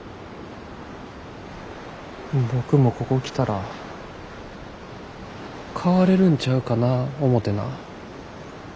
僕もここ来たら変われるんちゃうかな思てな。